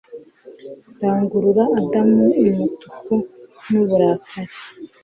Rangurura Adamu umutuku n'uburakari